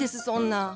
そんな。